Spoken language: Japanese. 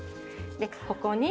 ここに。